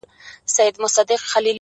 ورځي و میاشتي غم- هم کال په کال دي وکړ-